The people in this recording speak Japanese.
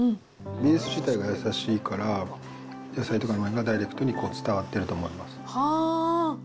ベース自体がやさしいから、野菜とかのうまみがダイレクトに伝わってると思います。